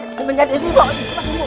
menjadi ini bawa aku ke tempat ini